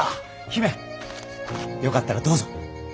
姫よかったらどうぞ。